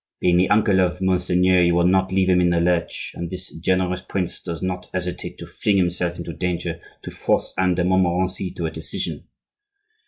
Being the uncle of Monseigneur, he will not leave him in the lurch; and this generous prince does not hesitate to fling himself into danger to force Anne de Montmorency to a decision.